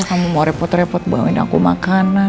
kamu mau repot repot buangin aku makanan